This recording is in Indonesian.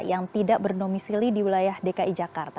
yang tidak bernomisili di wilayah dki jakarta